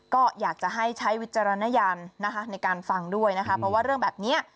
ก็อยากจะให้ใช้วิจารณญาณนะคะในการฟังด้วยนะคะเพราะว่าเรื่องแบบนี้